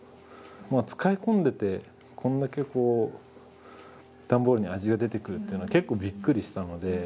使い込んでてこんだけこう段ボールに味が出てくるっていうのは結構びっくりしたので。